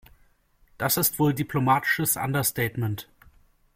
Das ist wohl diplomatisches Understatetment.